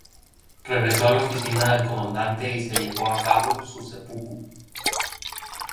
Regresó a la oficina del comandante y llevó a cabo su "seppuku".